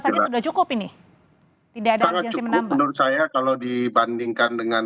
sangat cukup menurut saya kalau dibandingkan dengan